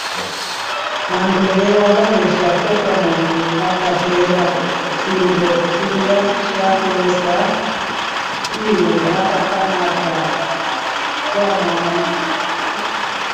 Wandu wewa waleshafokomoo wakashera vimudoo fila fisha fyosa piu vakata mata kwamwavo.